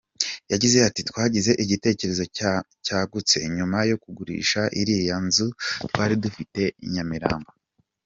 Yagize ati “Twagize igitekerezo cyagutse, nyuma yo kugurisha iriya nzu twari dufite i Nyamirambo.